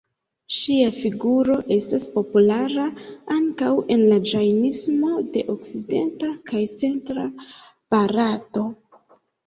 Ŝia figuro estas populara ankaŭ en la Ĝajnismo de okcidenta kaj centra Barato.